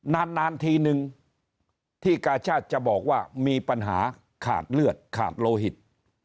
นานทีนึงที่กาชาติจะบอกว่ามีปัญหาขาดเลือดขาดโลหิต